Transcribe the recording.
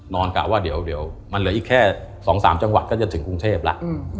กะว่าเดี๋ยวมันเหลืออีกแค่๒๓จังหวัดก็จะถึงกรุงเทพแล้ว